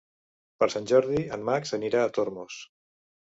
Per Sant Jordi en Max anirà a Tormos.